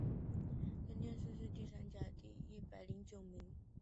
殿试登进士第三甲第一百零九名。